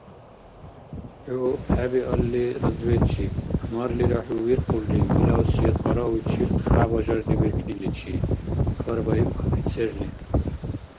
— Гьу, хӀебиалли, разведчик, марлира, хӀу вирхулрив илавси къарауйчил хя бажардибиркниличи? – хьарбаиб офицерли.